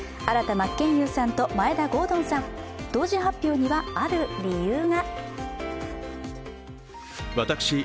真剣佑さんと眞栄田郷敦さん同時発表にはある理由が。